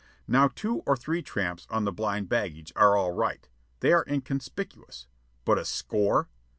Now two or three tramps on the blind baggage are all right. They are inconspicuous. But a score!